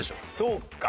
そうか！